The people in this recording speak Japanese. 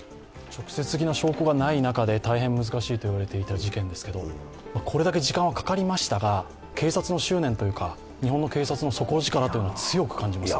直接的な証拠がない中で大変難しいと言われていた事件ですが、これだけ時間はかかりましたが警察の執念といいますか、日本の警察の底力を強く感じます。